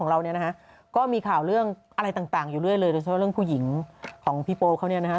เราเนี่ยนะฮะก็มีข่าวเรื่องอะไรต่างอยู่เรื่อยเลยโดยเฉพาะเรื่องผู้หญิงของพี่โป๊เขาเนี่ยนะฮะ